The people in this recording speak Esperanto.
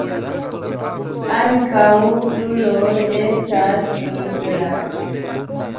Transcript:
Ankaŭ kruroj estas nigraj.